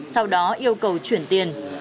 sau đó yêu cầu chuyển tiền